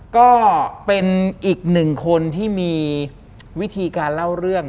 ก็เป็นอีกหนึ่งคนที่มีวิธีการเล่าเรื่อง